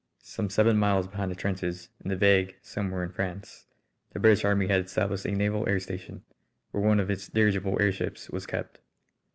Some seven miles behind the trenches, in that vague "Somewhere in France," the British Army had established a naval air station, where one of its dirigible airships was kept.